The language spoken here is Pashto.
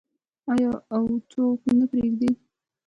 آیا او څوک نه پریږدي؟